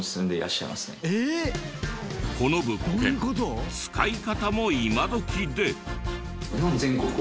この物件使い方も今どきで。